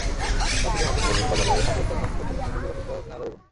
রাজধানীর হাতিরপুল বাজারে শাকের দরদাম করছিলেন গ্রিন রোডের বাসিন্দা হোসনে আরা বেগম।